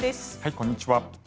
こんにちは。